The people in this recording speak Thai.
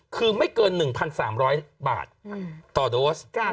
คือไม่เกิน๑๓๐๐บาทต่อโดส